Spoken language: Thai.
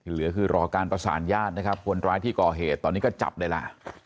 เหลือคือรอการประสานญาตินะครับคนร้ายที่ก่อเหตุตอนนี้ก็จับได้ล่ะ